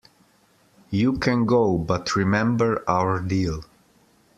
You can go, but remember our deal.